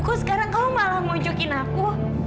kok sekarang kamu malah munjukin aku